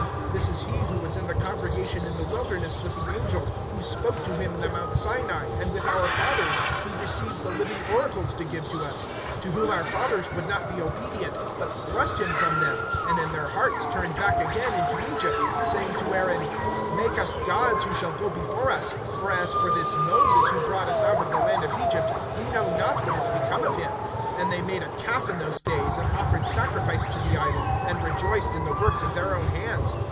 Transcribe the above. (38)This is he who was in the congregation in the wilderness with the angel who spoke to him in the mount Sinai, and with our fathers; who received the living oracles to give to us; (39)to whom our fathers would not be obedient, but thrust him from them, and in their hearts turned back again into Egypt, (40)saying to Aaron: Make us gods who shall go before us; for as for this Moses, who brought us out of the land of Egypt, we know not what is become of him. (41)And they made a calf in those days, and offered sacrifice to the idol, and rejoiced in the works of their own hands.